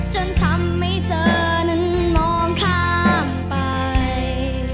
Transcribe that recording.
จนทำให้เธอนั้นมองข้ามไป